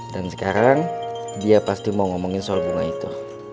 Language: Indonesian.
sekarang dia pasti mau ngomongin soal bunga itu